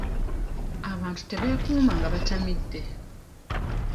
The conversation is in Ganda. Abantu tebeekuuma nga batamidde.